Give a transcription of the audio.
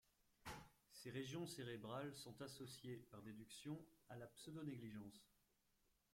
Ces régions cérébrales sont associées, par déduction, à la pseudonégligence.